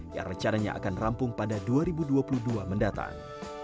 yang rencananya akan rampung pada dua ribu dua puluh dua mendatang